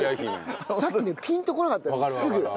俺ねさっきねピンとこなかったのよすぐ。